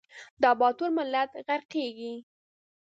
دا باتور ملت غرقیږي